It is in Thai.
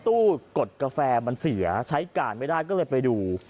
กดกาแฟมันเสียใช้การไม่ได้ก็เลยไปดู